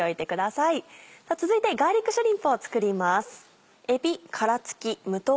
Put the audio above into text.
さぁ続いてガーリックシュリンプを作ります。